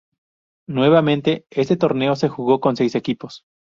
Nuevamente este torneo se jugó con seis equipos.